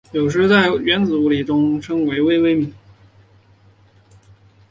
有时在原子物理学中称为微微米。